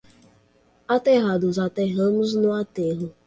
Aterrados aterramos no aterro.